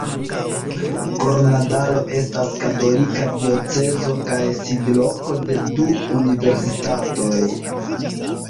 Koronadalo estas katolika diocezo kaj sidloko de du universitatoj.